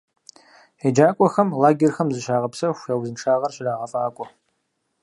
ЕджакӀуэхэм лагерхэм зыщагъэпсэху, я узыншагъэр щрагъэфӀакӀуэ.